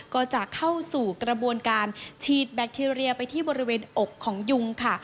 ก็จะเข้าสู่กระบวนการฉีดแบคทีเรียไปที่บริเวณอกของยุงค่ะ